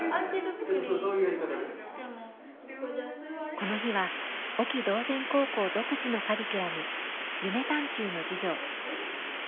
この日は隠岐島前高校独自のカリキュラム夢探究の授業。